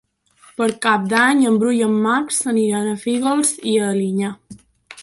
Per Cap d'Any en Bru i en Max aniran a Fígols i Alinyà.